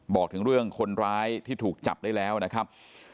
บอกถึงเรื่องคนร้ายที่ถูกจับได้แล้วนะครับ